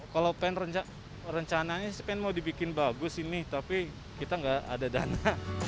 kalau pan rencananya sih pen mau dibikin bagus ini tapi kita nggak ada dana